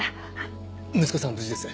息子さんは無事です。